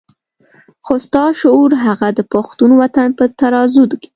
خو ستا شعور هغه د پښتون وطن په ترازو کې.